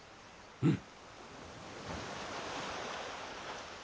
うん。